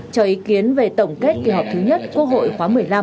cho ý kiến về tổng kết kỳ họp thứ nhất quốc hội khóa một mươi năm